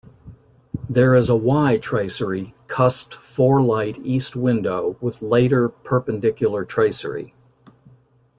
There is a 'Y' tracery, cusped four-light east window with later perpendicular tracery.